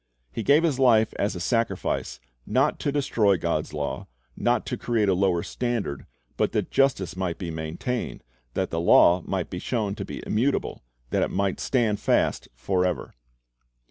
He gave His life as a sacrifice, not to destroy God's law, not to create a lower standard, but that justice might be maintained, that the law might be shown to be immutable, that it might stand fast forever.